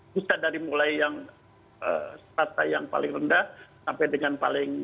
pusat dari mulai yang rasa yang paling rendah sampai dengan paling